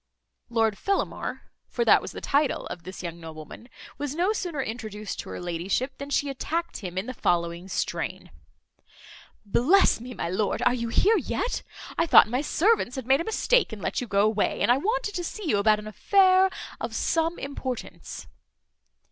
Lord Fellamar (for that was the title of this young nobleman) was no sooner introduced to her ladyship, than she attacked him in the following strain: "Bless me, my lord, are you here yet? I thought my servants had made a mistake, and let you go away; and I wanted to see you about an affair of some importance."